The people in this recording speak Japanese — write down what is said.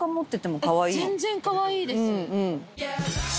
全然かわいいです。